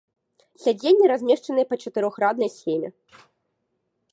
Сядзенні размешчаныя па чатырохраднай схеме.